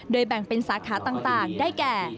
แบ่งเป็นสาขาต่างได้แก่